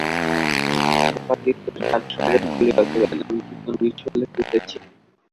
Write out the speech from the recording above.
প্রতাপাদিত্য তারস্বরে বলিয়া উঠিলেন, আমি কি কোনো বিষয়ের উল্লেখ করিতেছি?